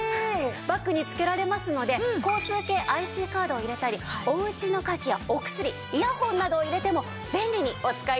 バッグにつけられますので交通系ＩＣカードを入れたりおうちの鍵やお薬イヤホンなどを入れても便利にお使い頂けます。